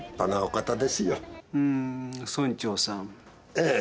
ええ。